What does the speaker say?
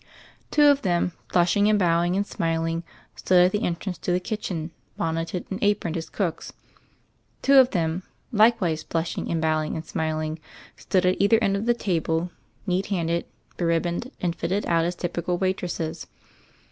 Two of them, blushing and bowing and smiling, stood at the entrance to the kitchen, bonneted and aproned as cooks — two of them, likewise blushing and bowing and smiling, stood at either end of the table, neat handed, beribboned and fitted out as typical waitresses.